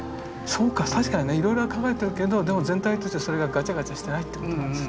そうか確かにねいろいろ考えてるけどでも全体としてそれがガチャガチャしてないってことなんですね。